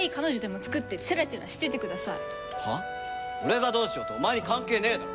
俺がどうしようとお前に関係ねえだろ！